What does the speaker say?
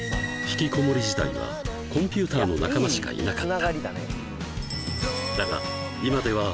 引きこもり時代はコンピューターの仲間しかいなかっ